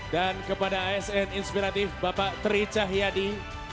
dan kepada asn inspiratif bapak teri cahyadi